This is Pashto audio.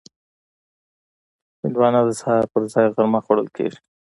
هندوانه د سهار پر ځای غرمه خوړل کېږي.